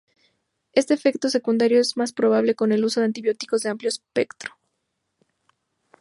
Este efecto secundario es más probable con el uso de antibióticos de amplio espectro.